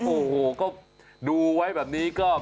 โอ้โหก็ดูไว้แบบนี้ก็